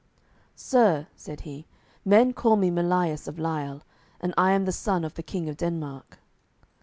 "Sir," said he, "men call me Melias of Lile, and I am the son of the King of Denmark."